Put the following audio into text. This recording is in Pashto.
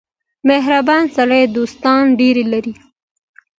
• مهربان سړی دوستان ډېر لري.